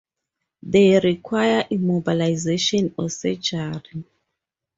They require immobilization or surgery.